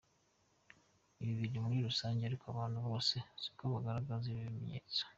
Ibi biri muri rusange ariko Abantu bose siko bagaragaza ibi bimenyetso .